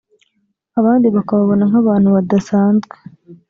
abandi bakababona nk’abantu badasanzwe